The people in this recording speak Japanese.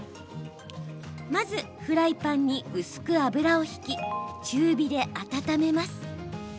まず、フライパンに薄く油を引き、中火で温めます。